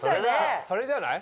それじゃない？